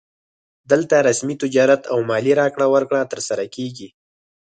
دلته رسمي تجارت او مالي راکړه ورکړه ترسره کیږي